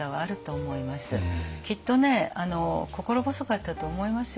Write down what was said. きっとね心細かったと思いますよ